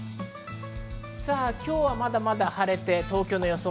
今日はまだまだ晴れて、東京の予想